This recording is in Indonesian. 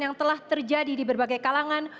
yang telah terjadi di berbagai kalangan